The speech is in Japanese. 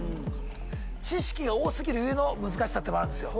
知識が多過ぎる故の難しさってのもあるんですよ。